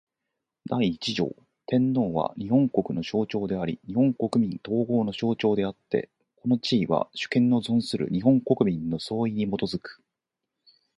第一条天皇は、日本国の象徴であり日本国民統合の象徴であつて、この地位は、主権の存する日本国民の総意に基く。